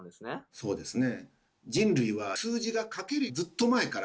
そうですね。